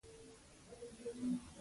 احمد په سږني تجارت کې ښه سود وکړ.